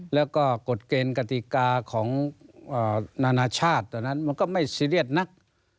แล้วก็กฎเกณฑ์กติกาของนานาชาติตอนนั้นมันก็ไม่ซีเรียสนัก